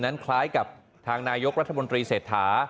คล้ายกับทางนายกรัฐมนตรีเศรษฐา